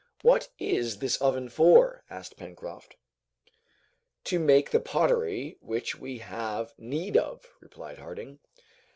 "What is this oven for?" asked Pencroft. "To make the pottery which we have need of," replied Harding.